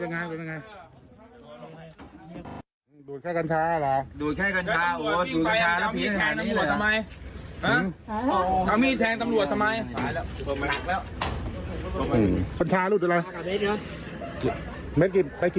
กันชากับเม็ดครับกันชากับเม็ดนะโดนล่าสุดเมื่อไหร่